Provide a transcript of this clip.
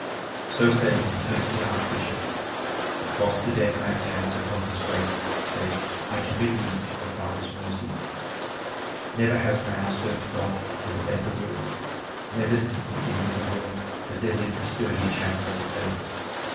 So saying he turned to the Archbishop; he crossed the dead man's hands upon his breast and said, "I commit thee to the Father's mercy. Never has man served God with a better will, never since the beginning of the world has there lived a sturdier champion of the faith.